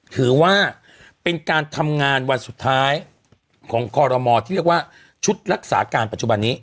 ถือว่าเป็นการทำงานวันสุดท้ายของคอรมอที่เรียกว่าชุดรักษาการปัจจุบันนี้